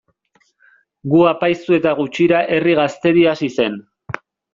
Gu apaiztu eta gutxira Herri Gaztedi hasi zen.